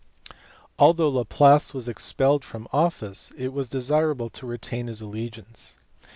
Although Laplace was expelled from office it was desirable to retain his allegiance.